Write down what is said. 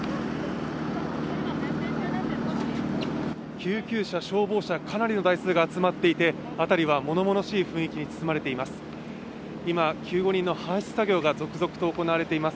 救急車、消防車かなりの台数が集まっていて辺りはものものしい雰囲気に包まれています。